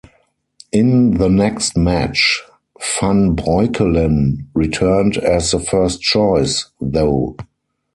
In the next match, Van Breukelen returned as the first choice, though.